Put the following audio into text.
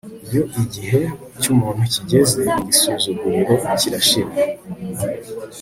iyo igihe cyumuntu kigeze igisuzuguriro kirashira